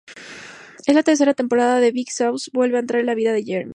En la tercera temporada, Big Suze vuelve a entrar en la vida de Jeremy.